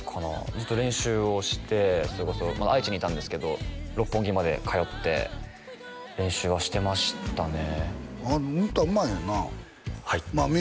ずっと練習をしてそれこそまだ愛知にいたんですけど六本木まで通って練習はしてましたね歌うまいねんなはいＭ！